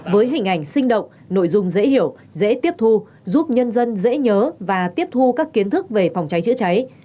với hình ảnh sinh động nội dung dễ hiểu dễ tiếp thu giúp nhân dân dễ nhớ và tiếp thu các kiến thức về phòng cháy chữa cháy